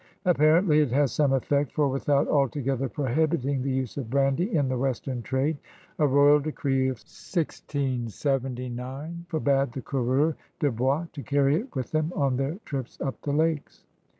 Apparently it had some effect, for, without altogether prohibiting the use of brandy in the western trade, a royal decree of 1679 forbade the coureurS'de bois to carry it with them on their trips up the lakes.